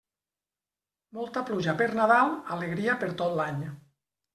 Molta pluja per Nadal, alegria per tot l'any.